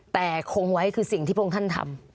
แต่คงไว้คือสิ่งที่พระองค์ท่านทำ